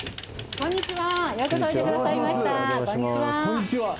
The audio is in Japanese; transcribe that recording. こんにちは。